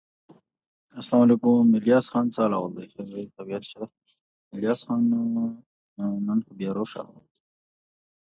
په خپل ژوند کي په کلونو، ټول جهان سې غولولای